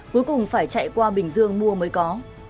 cuối cùng phải chạy qua bình dương mua mới có